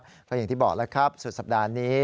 เพราะอย่างที่บอกแล้วครับสุดสัปดาห์นี้